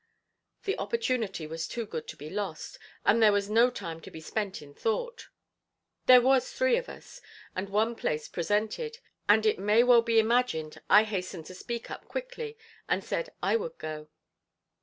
The opportunity was too good to be lost, and there was no time to be spent in thought. There was three of us, and one place presented, and it may well be imagined I hastened to speak up quickly, and said I would go.